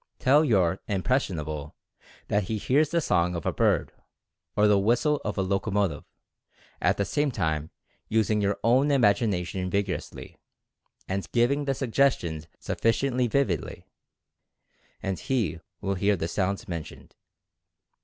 Tell your "impressionable" that he hears the song of a bird, or the whistle of a locomotive, at the same time using your own imagination vigorously, and giving the suggestions sufficiently vividly, and he will hear the sounds mentioned.